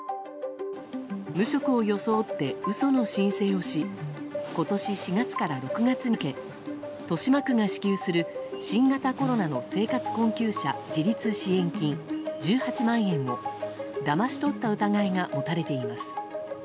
無職を装って嘘の申請をし今年４月から６月にかけ豊島区が支給する新型コロナの生活困窮者自立支援金１８万円をだまし取った疑いが持たれています。